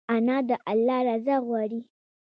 انا د الله رضا غواړي